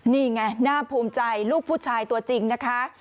นี่ไงน่าภูมิใจลูกผู้ชายตัวจริงนะคะ